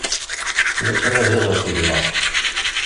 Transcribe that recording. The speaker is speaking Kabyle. La ttnadiɣ ɣef gma.